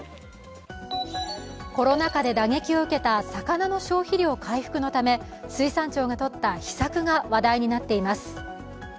コロナ禍で打撃を受けた魚の消費量回復のため水産庁がとった秘策が話題になっています。